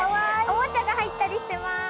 おもちゃが入ったりしてます。